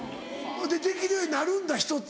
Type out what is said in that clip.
できるようになるんだ人って。